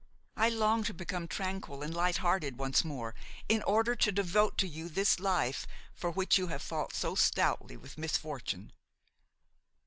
I long to become tranquil and light hearted once more in order to devote to you this life for which you have fought so stoutly with misfortune."